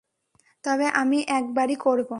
তবে, আমি একবারই করব।